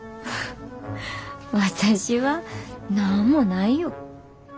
私は何もないよ。